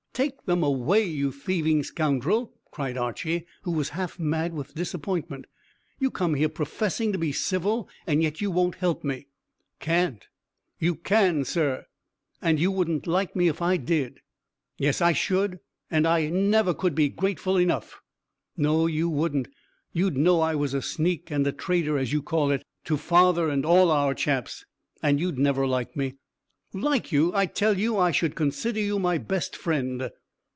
"Take them away, you thieving scoundrel!" cried Archy, who was half mad with disappointment. "You come here professing to be civil, and yet you won't help me." "Can't." "You can, sir." "And you wouldn't like me if I did." "Yes, I should, and I never could be grateful enough." "No, you wouldn't. You'd know I was a sneak and a traitor, as you call it, to father and all our chaps, and you'd never like me." "Like you! I tell you I should consider you my best friend."